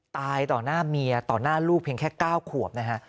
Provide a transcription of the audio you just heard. ตายต่อหน้าเมียต่อหน้าลูกเพียงแค่๙ขวบนะฮะ